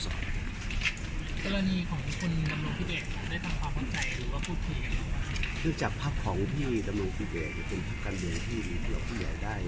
ด้วยจากภาพของที่ตำรุภุเกจนเป็นภาพกรรมเดียร์ที่เราพูดอย่างรายได้